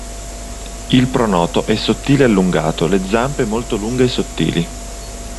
Il pronoto è sottile e allungato, le zampe molto lunghe e sottili.